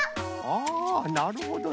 あなるほどね。